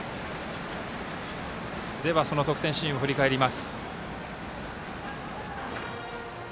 ではその得点シーンを振り返ります。